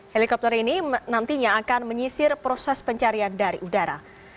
helikopter ini nantinya akan menyisir proses pencarian dari udara